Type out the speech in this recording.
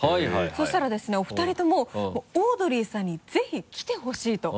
そうしたらですねお二人ともオードリーさんにぜひ来てほしいと。